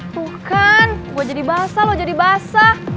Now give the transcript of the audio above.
tuh kan gue jadi basah lo jadi basah